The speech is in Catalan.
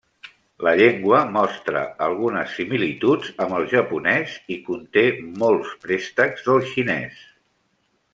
La llengua mostra algunes similituds amb el japonès i conté molts préstecs del xinès.